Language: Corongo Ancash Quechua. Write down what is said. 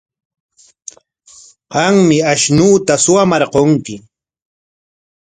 Qammi ashnuuta suwamarqunki.